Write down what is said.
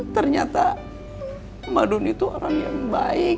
ternyata madun itu orang yang baik